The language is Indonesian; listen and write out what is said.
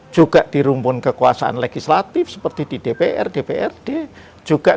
juga di rumpun kekuasaan negara seperti di western di principle di bawah negara di bahasa indonesia dan juga di balas nasional seluruh negara